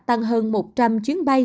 tăng hơn một trăm linh chuyến bay